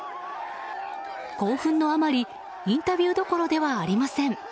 興奮のあまりインタビューどころではありません。